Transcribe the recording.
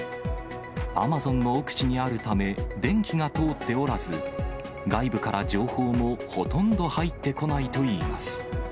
アマゾンの奥地にあるため、電気が通っておらず、外部から情報もほとんど入ってこないといいます。